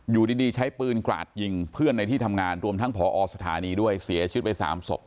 อยู่ดีใช้ปืนกราดยิงเพื่อนในที่ทำงานรวมทั้งผอสถานีด้วยเสียชีวิตไป๓ศพ